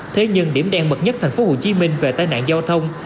thế nhưng điểm đen mật nhất thành phố hồ chí minh về tai nạn giao thông